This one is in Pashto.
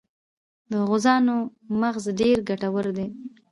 د غوزانو مغز ډیر ګټور دی.